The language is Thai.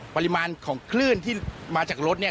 ปริมาณของคลื่นที่มาจากรถเนี่ย